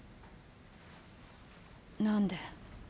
何で？